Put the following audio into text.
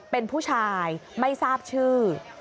เป็นผู้ชายไม่ทราบชื่อ